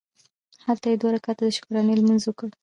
هلته یې دوه رکعته د شکرانې لمونځ وکړ.